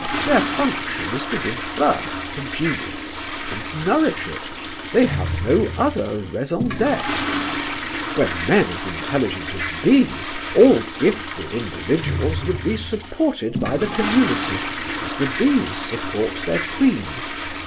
Their function is to give birth to genius and nourish it. They have no other raison d'être. Were men as intelligent as bees, all gifted individuals would be supported by the community, as the bees support their queen.